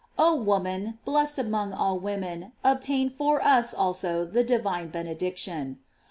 Oh woman, blessed among all women, obtain for us also the divine benediction.